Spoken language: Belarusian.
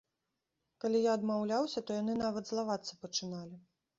Калі я адмаўляўся, то яны нават злавацца пачыналі.